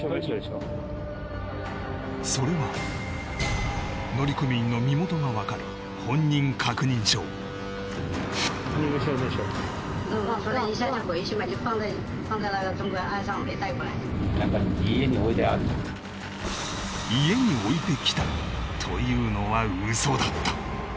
それは乗組員の身元がわかる本人確認証「家に置いてきた」というのはウソだった・